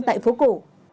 tại phố cổ